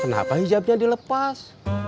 kenapa hijabnya dilepas